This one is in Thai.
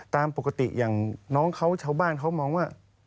ตามปกติอย่างน้องเขาชาวบ้านเขามองว่า